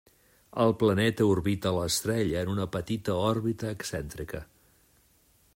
El planeta orbita l'estrella en una petita òrbita excèntrica.